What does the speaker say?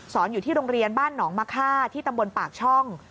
อยู่ที่โรงเรียนบ้านหนองมะค่าที่ตำบลปากช่อง